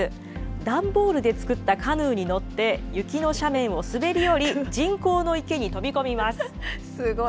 段ボールで作ったカヌーに乗って雪の斜面を滑り降り、人工の池にすごい。